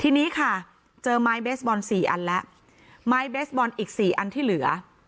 ทีนี้ค่ะเจอไม้เบสบอลสี่อันแล้วไม้เบสบอลอีกสี่อันที่เหลือ